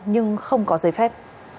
nhưng không có giấy phép